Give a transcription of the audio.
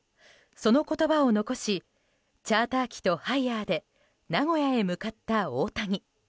その言葉を残しチャーター機とハイヤーで名古屋へ向かった大谷。